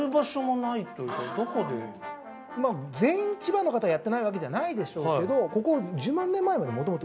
全員千葉の方やってないわけじゃないでしょうけど。